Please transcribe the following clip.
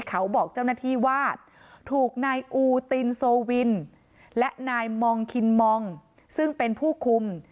เขาบอกเจ้าหน้าที่ว่าถูกนายอูตินโซวินและนายมองคินมองซึ่งเป็นผู้คุม